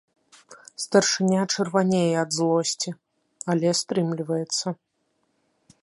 Старшыня чырванее ад злосці, але стрымліваецца.